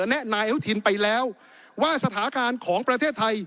แนะนายอนุทินไปแล้วว่าสถานการณ์ของประเทศไทย